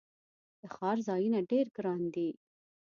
د ښار ځایونه ډیر ګراندي